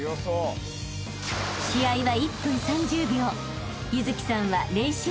［試合は１分３０秒］